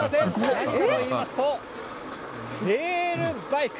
何かといいますと、レールバイク。